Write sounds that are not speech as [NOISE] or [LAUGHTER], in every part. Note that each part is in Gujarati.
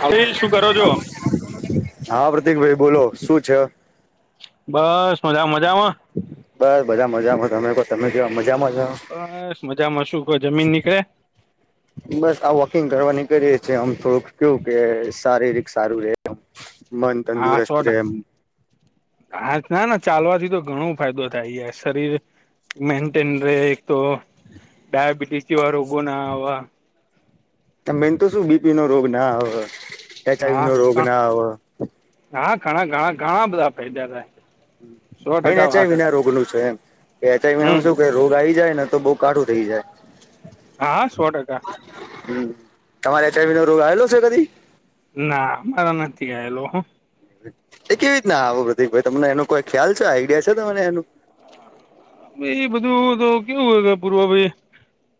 હવે ઈ શું કરો છો. હા પ્રતિક ભાઈ બોલો શું છે? બસ બધા મજામાં, બસ બધા મજામાં તમે કો તમે કેવા મજામાં છો. બસ મજામાં શું કો જમીને નીકળે, બસ આ વોકિંગ કરવા નીકળે જયએ છી આમ તો થોડુંક કેવું કે શારીરિક સારું રે [UNINTELLIGIBLE] હા તંદુરસ્ત રે છોડા, હા ના ના ચાલવાથી તો ઘણો ફાયદો થાય ઇ આ શરીર મેન્ટેન રહે એક તો, ડયાબીટીસ જેવા રોગો ના આવા. મેન તો શું બીપી નો રોગ ના આવ, એચઆ હા નો રોગ ના આવ, હા ઘણા ઘણા ઘણા બધા ફાયદા થાય. સો મેન ટકા એચાય વાત વિના રોગ નું છે એમ, એચઆઈ હમ વી શું કે રોગ આવી જાય ને તો બહુ કાઢું થઈ જાય. હા સો ટકા, હ તમારે એચ આઈ વી રોગ આવેલો છે કદી, ના મારા નથી આયલો હ, એ કેવી રીતના આવો પ્રતિક ભાઈ તમને એનો કોઈ ખ્યાલ છે, આઈડિયા છે તને એનું, ઈ બધું તો કેવું હોય પૂર્વા ભાઈ,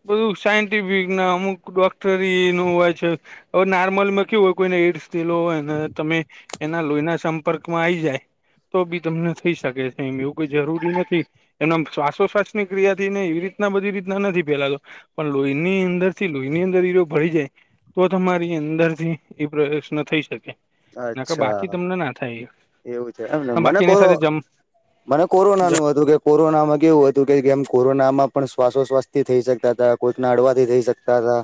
બધું સાયન્ટિફિક ના અમુક ડોક્ટરી નુ હોય છે. હવે નોર્મલમાં કેવું હોય કોઈને એઈડ્સ થેલો હોય ને તમે, એના લોહીના સંપર્કમાં આવીઈ જાય તો બી તમને થઈ શકે છે એમ એવું કોઈ જરૂરી નથી, એના આમ શ્વાસોશ્વાસ ની ક્રિયા થી ને એવી રીતના બધી રીતના નથી ફેલાતો, પણ લોહીની અંદર થી લોહીની અંદર ઇ રો ભરી જાય, તો તમારી અંદર થી એ પ્રયશન થઈ શકે. ના બાકી અચ્છા તમને ના થાય, એવું છે એમને હ મને બાકીની કોરો સાથે જમ મને કોરોના નું હતું કે, કોરોના માં કેવું હતું કેમ કોરોનામાં પણ શ્વાસોશ્વાસ થી થઈ શકતા હતા કોઈકના અડવાથી થઈ શકતા હતા,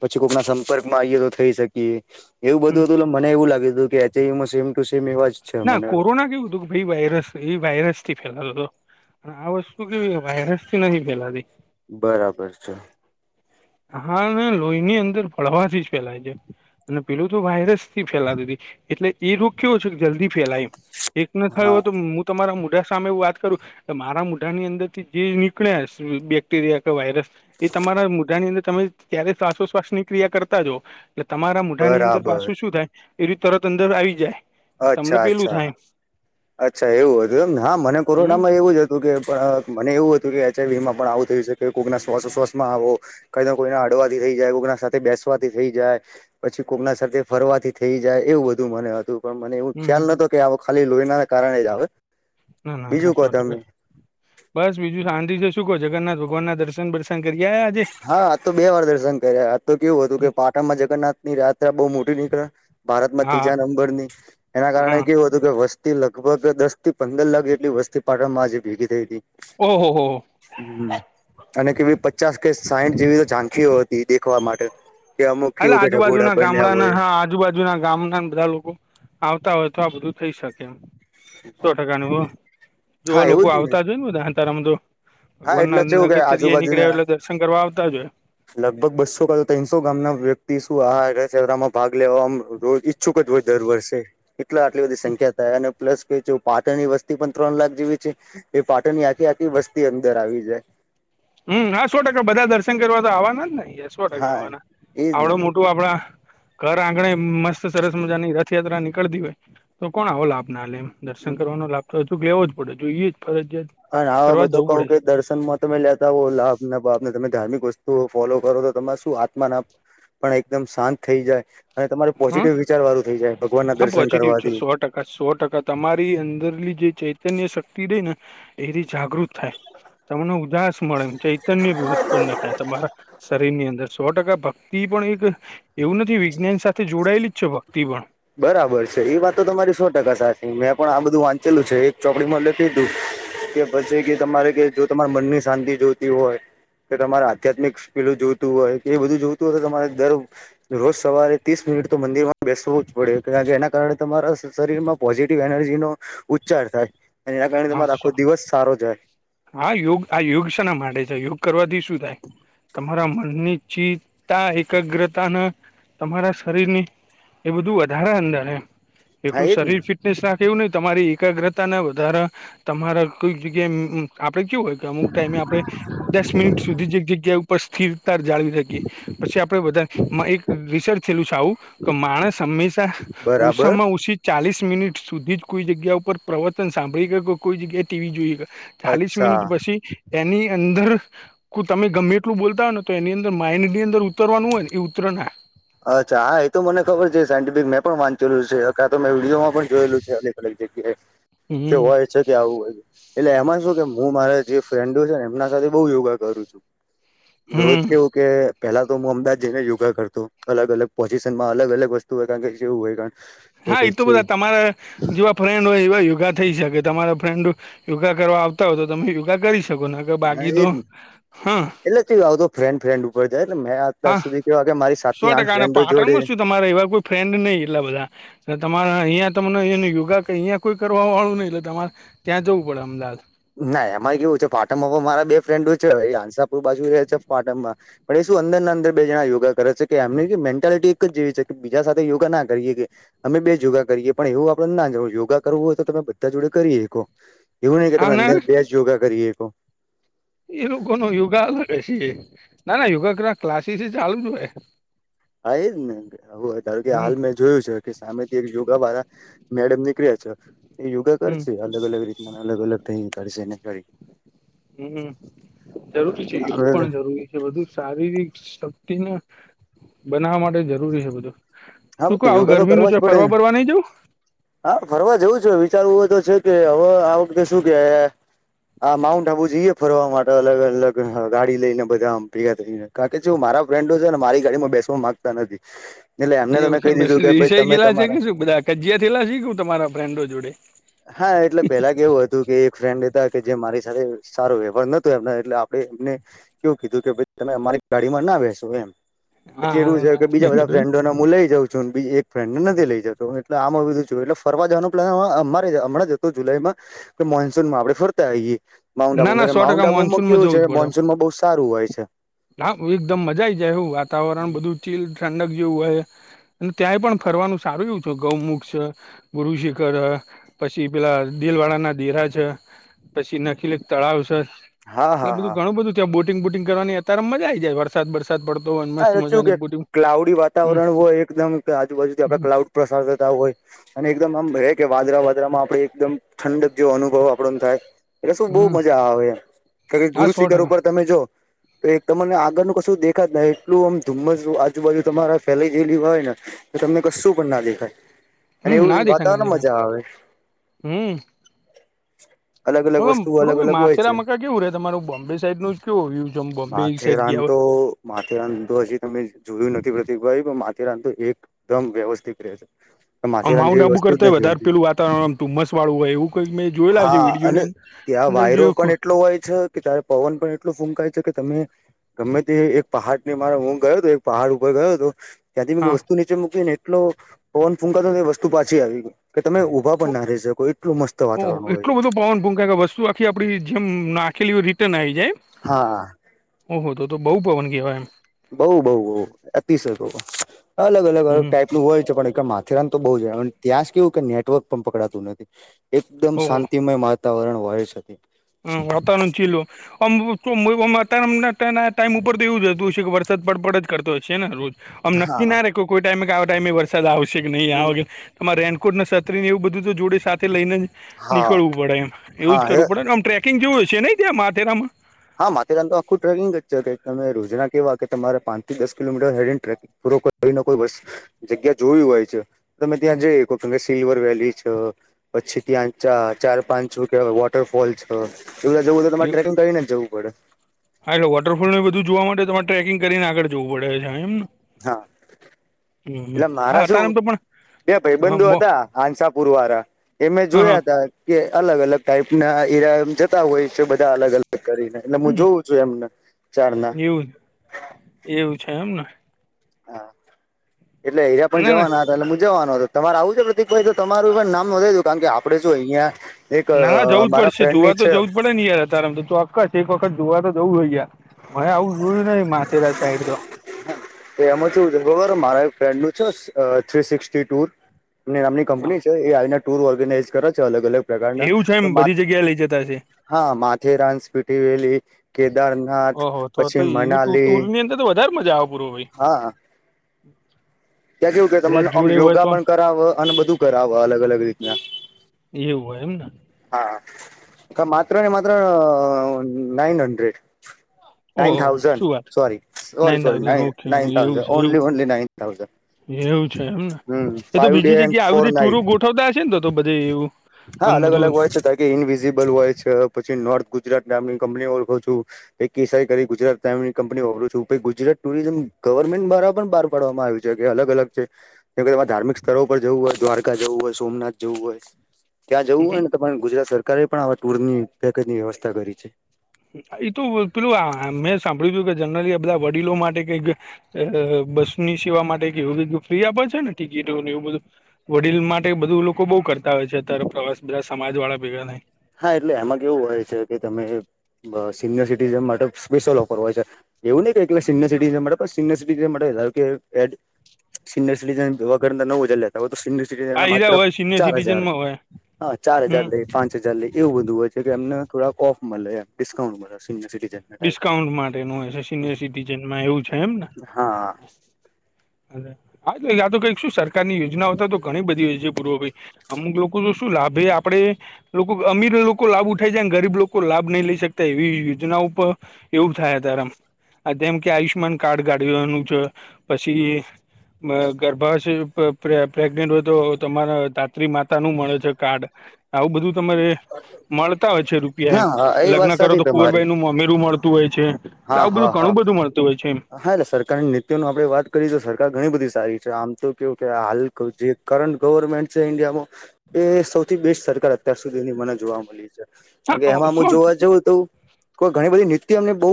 પછી કોઈકના સંપર્કમાં આવીઈએ થઈ શકીએ એવું બધું હતું એટલે મને એવું લાગ્યું હતું કે એચઆઇ વી મા સેમ ટુ સેમ એવા જ છે મને, કોરોના ના કેવું હતું. ભ વાયરસ એ વાયરસ થી ફેલાતો હતો અને આ વસ્તુ કેવી વાયરસ થી નથી ફેલાતી. બરાબર છે. હા લોહીની અંદર ફળવાથી જ ફેલાય છે અને, પેલું તો વાયરસ થી ફેલાતી હતી એટલે એ રોગ કેવો છે કે જલ્દી ફેલાય, એક ન થયો હો હા તો હું તમારા મોઢા સામે વાત કરું, મારા મોઢાની અંદર થી જે નીકળ્યા બેક્ટેરિયા કે વાયરસ, એ તમારા મુઢાની અંદર તમે ત્યારે શ્વાસોશ્વાસ ની ક્રિયા કરતા જો, એટલે તમારા મોઢાની અંદર બરાબર પાછું શું થાય એ રી તરત અંદર આવી જાય તમને અચ્છા પેલું અચ્છા થાય, અચ્છા એવું હતું એમ ને હા મને હમ કોરોનામાં એવું જ હ તું કે પ મને એવું હતું કે એચ આઈ વીમાં પણ આવું થઈ શકે કોઈકના શ્વાસો શ્વાસમાં આવો કઈ ના કોઈને હડવાથી થઈ જાય, કોકના સાથે બેસવાથી થઈ જાય. પછી કોકના સાથે ફરવાથી થઈ જાય એવું બધું મને હતું. પણ મને એવું હમ ખ્યાલ નતો કે આવો ખાલી લોઇના કારણે જ આવે ના ના ના બીજું કો સો ટકા તમે, બસ બીજું શાંતિ છે શું કો જગન્નાથ ભગવાન ના દર્શન બર્શન કરકે આયા આજે, હા આજતો બે વાર દર્શન કર્યા, તો કેવું હતું કે પાટણમાં જગન્નાથ ની યાત્રા બહુ મોટી નીકળે, ભારતમાં હા તીજા નંબર ની, એના કારણે હા કેવું હતું કે વસ્ તી લગભગ દસથી પંદર લાખ જેટલી વસ્તી પાટણમાં આજે ભેગી થઈ તી ઓ હો હો હં અને કેવી પચાસ કે સાઇઠ જેવી ઝાંખીઓ હતી દેખવા માટે કે અમુક એલે કેવું કે આજુબાજુ ઢગોડા ના બન્યા ગામડાના હોય હાં આજુબા જુના ગામના ન બધા લોકો આવતા હોય તો આ બધું થઈ શકે એમ સો ટકા ન વો જોવા લોકો આવતા જ હોય ને બધા હતારામાં જો હા વનના એટલે કેવું કે નગરચર્યા એ નીકળ્યા આજુબાજુના હોય એટલે દર્શન કરવા આવતા જ હોય લગભગ બસો કાં તો તઈનસો ગામના વ્યક્તિ શું આ રથયાત્રામાં ભાગ લેવામ રોજ ઈચ્છુક જ હોય દર વર્ષે એટલે આટલી બધી સંખ્યા થાય અને પ્લસ કે જો પાટણની વસ્તી પણ ત્રણ લાખ જેવી છે એ પાટણની આખી આખી વસ્તી અંદર આવી જાય હં હા સો ટકા બધા દર્શન કરવા તો આવાના જ ને યા સો ટકા હા આવાના એજ આવડુ ને મોટું આપડા ઘર આંગણે મસ્ત સરસ મજાની રથયાત્રા નીકળતી હોય તો કોણ આવો લાભ ના લે એમ દર્શન કરવાનો લાભતો તો કે લેવો જ પડે જોઈએ જ ફરજિયાત અને આવા કરવા માં જ તો જવું કઉ પડે કે દર્શનમાં તમે લેતા હો લાભ ને બાભ ને તમે ધાર્મિક વસ તુઓ ફોલો કરો તો તમાર શું આત્મા ને આમ પણ એકદમ શાંત થઈ જાય અને તમારું હ પોઝિટિવ વિચાર વારું થઈ જાય ભગવાનના દર્શન કરવાથી. આ સો ટકા તમારી અંદરની જે ચૈતન્ય શક્તિ રેય ને એથી જાગૃત થાય તમને ઉદાસ મળે ચૈતન્ય બી ઉત્પન્ન થાય તમારા શરીરની અંદર સો ટકા ભક્તિ પણ એક એવું નથી વિજ્ઞાન સાથે જોડાયેલી જ છે ભક્તિ પણ બરાબર છે એ વાત તો તમારી સો ટકા સાચી મેં પણ આ બધું વાંચેલું છે ચોપડીમાં લખે તું કે પછી કે તમારે કે જો તમારા મનની શાંતિ જોતી હોય કે તમારે આધ્યાત્મિક [UNINTELLIGIBLE] જોતું હોય એ બધું જોતું હોય તો તમારે દર રોજ સવારે ત્રીસ મિનિટ તો મંદિર માં બેસવું જ પડે એના જેના કારણે તમારા શરીરમાં પોઝિટિવ એનર્જીનો ઉચ્ચાર થાય અને એના કારણે હા તમારો સો આખો દિવસ સારો જાય હા યોગ આ યોગ શેના માટે છે યોગ કરવાથી શું થાય તમારા મનની ચી તા એકાગ્રતા ને તમારા શરીરની એ બધું વધારે અંદર એમ હા એકલું એજ ને શરીર ફિટનેસ રાખે એવું નઇ તમારી એકાગ્રતા ને વધારે તમારે કોઈક જગ્યાએ આપડે કેવું હોય કે અમુક ટાઈમે આપડે દસ મિનિટ સુધી જે જગ્યા ઉપર સ્થિરતા જાળવી રાખીએ પછી આપડે બધા માં એક રિસર્ચ થઈલુ છે આવું કે માણસ હંમેશા બરાબર ઓસામાં ઓછી ચાલીસ મિનિટ સુધી જ કોઈ જગ્યા ઉપર પ્રવચન સાંભળી કે કો કોઈ જગ્યાએ ટી વી જોઈ હકે ચાલીસ અચ્છા મિનિટ પસી એની અંદર કુ તમે ગમે એટલું બોલતા હોય ને તો એની અંદર માઇડની અંદર ઉતરવાનું હોય ને ઇ ઉતરે ના અચ્છા હાં એ તો મને ખબર છે સાયન્ટિફિક મેં પણ વાંચેલું છે કાં તો મેં વિડીયો માં પણ જોયેલું છે હરે રેક જગ્યાએ કે હમ હોય છે કે આવું હોય એટલે એમાં શું કે હું મારા જે ફ્રેન્ડો છે ને એમના સાથે બઉ યોગા કરું છું રોજ હમ કેવું કે પેલા તો હું અમદાવાદ જઈને યોગા કરતો અલગ અલગ પોઝિશનમાં અલગ અલગ વસ્તુ હોય કાણ કે જેવું હોય કાણ હા એ તો બધા તમારા જેવા ફ્રેન્ડ હોય એવા યોગા થઈ શકે તમારા ફ્રેન્ડ યોગા કરવા આવતા હોય તો તમે યોગા કરી શકો ને હા બાકી તો એ જ ને હાં એટલે ત આવતો ફ્રેન્ડ ફ્રેન્ડ ઉપર જાય એટલે મે અત્યાર હા સુધી કેવા કે મારી સાત થી આઠ ફ્રેન્ડો જોડે તમારે એવા કોઈ ફ્રેન્ડ નઈ એટલા બધા એ તમારે અહિયાં તમને યોગા અહીંયા કોઈ કરવા વાળું નહિ એટલે તમારે ત્યાં જવું પડે અમદાવાદ ના એમાં કેવું છે પાટણમાં મારા બે ફ્રેન્ડો છે હસાપુર બાજુ રહે છે પાટણમાં પણ એ શું અંદર ના અંદર બે જણા યોગા કરે છે કે એમની મેન્ટાલિટી એક જ એવી છે કે બીજા સાથે યોગા ના કરીએ કે અમે બે જો યોગા કરીએ પણ એવું આપડે ના જ યોગા કરવું હોય તો તમે બધા જોડે કરી શકો એવું નહી કે હા તમે ના અંદર બે જ યોગા કરી હકો એ લોકો નો યોગા અલગ હ છે ના ના યોગા કરવા ક્લાસીસ ચાલુ જ છે હા એજ ને ધારો કે મેં હમ હાલમાં જોયું છે કે સામેથી એક યોગા વાળા મેડમ નીકળ્યા છે એ યોગા હમ કરશે અલગ અલગ રીતના અલગ અલગ થઈને કરશે ને હમ્મ જરૂરી છે એવું પણ હા જરૂરી બધું શારીરિક શક્તિને બનાવવા માટે જરૂરી છે બધું શું કો આવું યોગા તો ગરમી નું કરવા જ ચોય પડે ફરવા ને બરવા નઈ જવું હા ફરવા જવું છે વિચારવું હોય તો છે કે હવે આ વખતે શું કે આ માઉન્ટ આબુ જઈ એ ફરવા માટે અલગ અલગ ગાડી લઈ ને બધા આમ પ્રિયા થઈને કારણ કે ચેઉ હ મારા ફ્રેન્ડો છે ને મારી ગાડીમાં બેસવા માંગતા નથી એટલે એમને તમે કહી એવું છે દીધું કે ભાઈ તમે ઈસાઈલા છે કે તમારા શું બધા કજયા થયેલા છે કે શું તમારા ફ્રેન્ડો જોડે હા એટલે પેલા કેવું હતું કે એક ફ્રેન્ડ હતા કે જે મારી સાથે સારો વ્યવહાર નતો એમ એટલે આપડે એમને કેવું કીધું કે તમે અમારી ગાડીમાં ના બેસો એમ હા પછી એવું હા છે હા કે બીજા એવું બધા હતું ફ્રેન્ડો ન હું લઈ જાઉં છું બીજી એક ફ્રેન્ડને નથી લઈ જ એટલે આમ બધું એટલે ફરવા જવાનો પ્લાન આમા અ હમણાં જ તો જુલાઈ માં કે મોન્સૂનમાં આપડે ફરતા આવીએ માઉન્ટ ના આબુ ના સો ટકા માઉન્ટ આબુમાં મોનસૂનમાં કેવું જવું છે જ પડે મોન્સૂનમાં બઉ સારું હોય છે. હા એકદમ મજા આઈ જાય હું બધું ચીલા ઠંડક જેવું હોય ત્યાંય પણ ફરવાનું સારું એવું છે ગૌમુખ છે. ગુરુ શિખર હ પછી પેલા દિલ વાળ ના દેરા છે પછી ન એટલે તળાવ છે હા એટલે હા હા બધું ઘણું બધું ત્યાં બોટિંગ બોટિંગ કરવાની અત્યારે મજા આ આવી જાય વરસાદ બરસાદ સાદ પડતો હોય મસ્ત હાચું કે મજાની બોટિંગ ક્લાઉડી હમ વાતાવરણ હોય એકદમ કે આજુબાજુથી આપડે હમ ક્લાઉડ પ પ્રસાર થતા હોય અને એકદમ આમ ભએ કે વાદરા વાદરામાં આપડે એકદમ ઠંડક જેવો અનુભવ આપણ ન થાય. એટલે શું હમ બહું મજા આવે કે કશું હા ગુરુ સો શિખર ટકા ઉપર તમે જો તો એક તમને આગળનું કશું દેખા જ નહી એટલું આમ ધુમ્મસ આજુબાજુ તમારા ફેલાઈ ગયેલી હોય ને તો તમને કશું પણ ના દેખાય અને એવું વાતાવરણમાં મજા આવે હમ્મ. અલગ હવે અલગ આમ વસ્તુ અલગ ભાઈ અલગ હોય માથેરા છે. મકા કેવું રે તમારું બોમ્બે સાઈડ નું કેવું રયું બોમ્બે સાઈડ ગયા માથેરાન તો હોય માથેરાન તો હજી તમે જોયું નથી પ્રતિકભાઈ પણ માથેરાન તો એક એકદમ વ્યવસ્થિત રહે છે માથેરાન જેવી વસ્તુ જ નથી હોતી ત ધુમસ વાળું હોય એવું કઈક મે હા અને ત્યાં વાયરો જોયું પણ એટલો હોય છ કે ત્યારે પવન પણ એટલું ફૂંકાય છે કે તમે ગમે તે એક પહાડની મારો હું ગયો હતો એક પહાડ ઉપર ગયો હતો. ત્યાંથી મેં હા વસ્તુ નીચે મૂકી ને એટલો પવન ફૂંકાતો વસ્તુ પાછી આવી ગય કે તમે ઊભા પણ ના રઈ શકો એટલું મસ્ત ઓહ વાતાવરણ હોય એટલો બધો છે પવન ભૂંકાય કે વસ્તુ આખી આપણી જેમ નાખેલી હોય એમ રિટર્ન આઈ જાય હા. ઓહો તો તો બહુ પવન કહેવાય એમ. બઉ બઉ બઉ અતિશય પવન અલગ અલગ એમ અલગ હમ ટાઈપ. એલું હોય છે પણ માથેરાન તો બહુ જાય અન ત્યાં જ કેવું કે નેટવર્ક પણ પકડાતું નથી. એકદમ ઓહો શાંતિમય માતાવરણ હોય સકે. હમ વાતાવરન ચીલું. ઓમ [UNINTELLIGIBLE] અતારાં ટાઈમ ઉપર તો એવું જ રહેતું હોશે કે વરસાદ પડપડ જ કરતો હશે ને રોજ. ઓમ નક્કી હા. ના રે કોખ કોઈ ટાઈમે કે આ ટાઈમે વરસાદ આવશે કે નહીં આવે. તમારે રેનકોટને, સતરીને એવું બધું તો જોડે સાથે લઈને જ હા નીકળવું પડે એમ એવું જ હા એ કરવું પડેન ઓમ. ટ્રેકિંગ જેવું હશે નઈ ત્યાં માથેરામાં. હા માથેરાન તો આખું ટ્રેકિંગ જ છે કે તમે રોજના કેવા કે તમારે પાંચથી દસ કિલોમીટર હેરીને ટ્રેકિં પૂરો કોઈ કરીને કોઈ બસ જગ્યા જોયું હોય છે. તમે ત્યાં જઈ હકો કેમ ક સિલ્વર વેલી છ પછ ત્યાં ચા ચાર પાંચ છૂટીયાં વોટરફોલ છ એ બધા જવું તમારે ટ્રેકિંગ કરી ને. [INAUDIBLE] હા એટલે વોટફોલને બધું જોવા માટે તમારે ટ્રેકિંગ કરીને આગળ જવું પડે છે હ ઈમ ને હા. હમમ એટલે મારા હા તારમ શું તો પણ. બે ભઈ હા બંધો બો હતા હાંસાપુર વારા તેમે હા હા જોયાતા કે અલગ-અલગ ટાઈપ ના ઈરા મ જતા હોય છે. બધા અલગ-અલગ કરીને એટલે મુ હમ જોઉં છું એમને ચાર ના એવું એવું છે એમ ને હા એટલે એરા પણ ના ના જવાના લે મુ જાવાનું હતો. તમારે આવું છે પ્રતીકભાઈ તો તમારું પણ નામ નોંધાઈ દવ કારણ કે આપડે શું અહિયાં એક મારા ફ્રેન્ડ ની છ ન યાર અતારમત ચોક્કસ એક વખત ગોવા તો જવું હે યાર મે આવું જોયું નઈ માથેરા સાઈડ તો તો એમાં ચેવું છે ખબર મારા એક ફ્રેન્ડ નું છે થ્રી સિક્સી ટૂર. નામની કંપની છે. એ આઈના ટુર ઓર્ગેનાઈઝ કરે છે અલગ-અલગ એવું છે એમ બધી જગ્યાએ લઇ જતા હશે હા માથેરાન, સ્પીટીવેલી, કેદારનાથ ઓહો તો તો પછી એવી મનાલી. ટૂર ની અંદર તો વધારે મજા આવે પૂરો ભઈ. હા ત્યાં કેવું કે તમને અમ યોગા પણ કરાવ અને બધું કરાવ અલગ અલગ રીતના. એવું હોય એમ ને. હા માત્ર ને માત્ર અ નાઇન હન્ડ્રેડ. નાઈન ઓહો થાવઝન શું વાત sorry. Sorry, nine sorry thousand okay nine એવું થાવાઝન. છે એવું ઓન્લી, ઓન્લી નાઈન થાવઝન. એવું છે એમ ને એ તો બીજી એન્ડ જગ્યા આવી ફોર બધી ટુરુ નાઈટ ગોઠવતા હશે ને તો તો બધે એવું. હા આમ અલગ અલગ બધું હોય છે તા કે ઈનવિઝિબલ હોય છે, પછી નોર્થ ગુજરાત નામની કંપનીઓ ઓળખું છું. એક કેસાઈ કરી ગુજરાત નામ ની કંપની ઓરખુ છું ગુજરાત ટુરિઝમ ગવર્મેન્ટ દ્વારા પણ બહાર પાડવામાં આવી છે. જગ્યા અલગ અલગ છે. જેમ કે તમારે ધાર્મિક સ્થળ પર જવું હોય, દ્વારકા જવું હોય, સોમનાથ જવું હોય, ત્યાં જવું હોય ને. તમન ગુજરાત સરકારે પણ આવા ટુરની પેકેજની વ્યવસ્થા કરી છે. એ તો પેલું આ મેં સાંભળ્યું તું જનરલી બધા વડીલો માટે કઈક. અ અ બસની સેવા માટે કેવું બ ફ્રી આપે છે ને ટિકિટો એવું બધું. વડીલ માટે બધું લોકો બહુ કરતા હોય છે અત્યારે પ્રવાસ બધા સમાજ વાળા ભેગા થઇ ન હા એટલે એમાં કેવું હોય છે કે તમે સિનિયર સિટીઝન માટે સ્પેશિયલ ઓફર હોય છે એવું નહીં કે સિનિયર સીટીઝન માટે સિનયર સિટીઝન માટે ધારો કે સિનિયર સિટીઝન જોવા કરતા નવ હજાર લેતા હોય તો આ જે હીરા માત્ર હોય સિનિયર ચાર હજાર સિટીઝનમાં હોય હા ચાર હજાર હમ લે ચાલે એવું બધું હોય છે કે એમને થોડાક ઓફ મળે એમ ડિસ્કાઉન્ટ મળે સિનિયર સિટીઝન ટાઈપ ડિસ્કાઉન્ટ માટેનું હોય છે સિનિયર સિટીજનમાં એવું છે એમ ને હા અ હા યા તો કઈક શું સરકાર ની યોજનાઓ હતા તો ઘણી બધી હોય છે પૂર્વ ભાઈ અમુક લોકો તો શું લાભે આપણે લોકો અમીર લોકો લાભ ઉઠાય જાય અને ગરીબ લોકો લાભ નહી લઈ શકતા એવી યોજનાઓ પ એવું થાય અત્યારે આમ આ જેમ કે આયુષમાન કાર્ડ કાઢવાનું છે પછી માં ગર્ભાશય પ્રેગ્નેન્ટ હોય તો તમારા ધાત્રી માતા નું મળે છે કાર્ડ આવું બધું તમારે મળતા હોય છે રૂપિયા એમ હા એ લગ્ન વાત કરો સાચી તો તમારી કુંવરભાઈ નું મા મળતું હોય છે. હા હા હા. બધું મળતું હોય છે એમ હા એટલે સરકારની નીતિઓની આપણે વાત કરીએ તો સરકાર ઘણી બધી સારી છે આમ તો કેવું કે હાલ જે કરંટ ગવર્મેન્ટ છે ઇન્ડિયામાં એ સૌથી બેસ્ટ સરકાર અત્યાર સુધીની મને જોવા મળી છે. બાકી હા એમાં સો મું જોવા જઉ તો તો ઘણી બધી નીત્ય એમને બહુ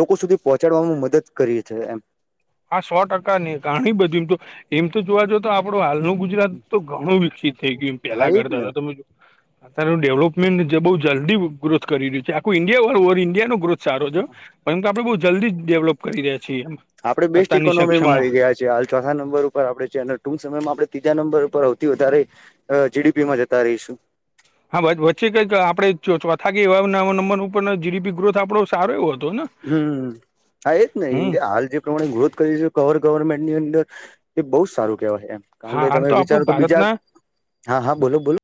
લોકો સુધી પહોંચાડવાવામાં મદદ કરી છે. હા સો ટકા ને ઘણી બધી તો એમ તો જોવા જાઓ તો આપડો હાલ નું ગુજ ગુજરાત તો ઘણું વિકસિત થઈ ગયું એ હા પહેલા એજ ને કરતા તો અત્યારનું ડેવલપમેન્ટ જે બહુ જલ્દી ગ્રોથ કરી રહ્યું છે આખું ઇન્ડિયા ઓલ ઓવર ઇન્ડિયા નો ગ્રોથ સારો છે હો પરંતુ આપડે બઉ જલ્દી ડેવલોપ કરી રહ્યા છીએ એમ આપડે બેસ્ટ અત્યારની ઇકોનોમીમાં સક્ષમમાં આવી ગયા છે હાલ ચોથા નંબર ઉપર આપડે છે અને ટૂંક સમયમાં આપણે ત્રીજા નંબર ઉપર હવતી વધારે અ જેડીપી માં જતા રેશું હા વચ્ચે કંઈ આપણે ચોથા કે એવા નવા નંબર ઉપર જીડીપી ગ્રોથ આપડો સારો એવો હતો ને હમ્મ હા એ જ ને હમ ઇન્ડિયા હાલ જે પ્રમાણે ગ્રોથ કરી છે કવર ગવર્મેન્ટની અંદર એ બહુ જ સારું કહેવાય છે એમ કારણ હા કે હાલ તો તમે આપણું વિચારો કે બીજા ભારતના હા હા બોલો બોલો